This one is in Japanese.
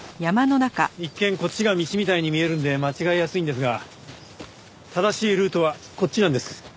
一見こっちが道みたいに見えるんで間違えやすいんですが正しいルートはこっちなんです。